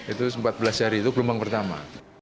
itu empat belas hari itu gelombang pertama